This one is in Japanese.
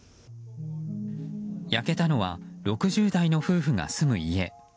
焼けたのは６０代の夫婦が住む家。